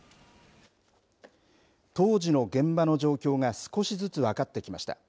当時の現場の状況が少しずつ分かってきました。